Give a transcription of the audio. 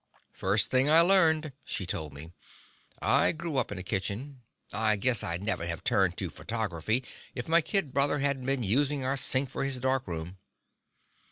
"First thing I learned," she told me. "I grew up in a kitchen. I guess I'd never have turned to photography if my kid brother hadn't been using our sink for his darkroom."